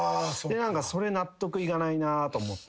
それ納得いかないなと思って。